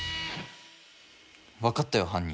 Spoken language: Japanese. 分かったよ犯人。